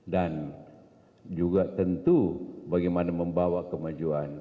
dan juga tentu bagaimana membawa kemajuan